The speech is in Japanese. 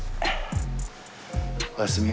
おやすみ。